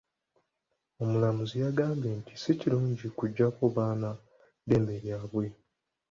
Omulamuzi yagambye nti si kirungi okuggyako abaana dembe lyabwe.